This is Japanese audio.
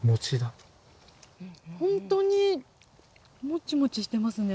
ほんとにもちもちしてますね。